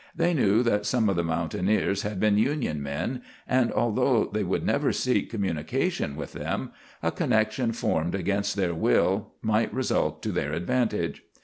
They knew that some of the mountaineers had been Union men; and although they would never seek communication with them, a connection formed against their will might result to their advantage.